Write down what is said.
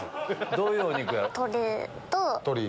どういうお肉？